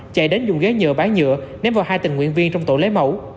chạy đến dùng ghế nhựa bán nhựa ném vào hai tình nguyện viên trong tổ lấy mẫu